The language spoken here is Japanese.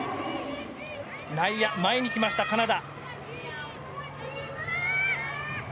内野、前に来ましたカナダ。